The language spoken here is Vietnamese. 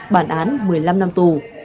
bản án một mươi năm năm tù